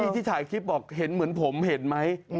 ที่ถ่ายคลิปบอกเห็นเหมือนผมเห็นไหม